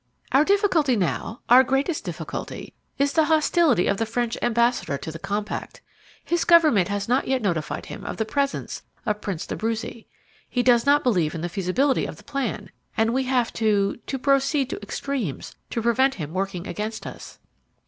"Our difficulty now, our greatest difficulty, is the hostility of the French ambassador to the compact. His government has not yet notified him of the presence of Prince d'Abruzzi; he does not believe in the feasibility of the plan, and we have to to proceed to extremes to prevent him working against us."